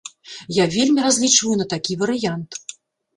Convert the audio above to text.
Я вельмі разлічваю на такі варыянт.